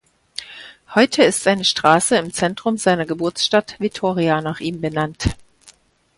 Heute ist eine Straße im Zentrum seiner Geburtsstadt Vitoria nach ihm benannt.